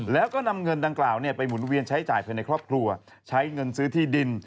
แล้วก็นำเงินดังกล่าวไปหมุนเวียนใช้จ่ายภายในครอบครัวใช้เงินซื้อที่ดิน